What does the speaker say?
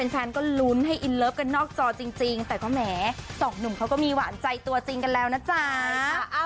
แฟนก็ลุ้นให้อินเลิฟกันนอกจอจริงแต่ก็แหมสองหนุ่มเขาก็มีหวานใจตัวจริงกันแล้วนะจ๊ะ